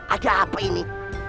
ada apa ini